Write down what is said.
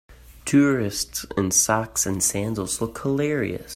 Tourists in socks and sandals look hilarious.